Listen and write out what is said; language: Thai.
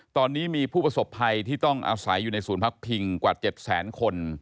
ตอนนี้มีผู้ประสบภัยที่ต้องอาศัยอยู่ในศูนย์พักพิงกว่า๗แสนคน